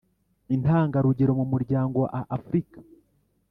Intangarugero mu muryango wa africa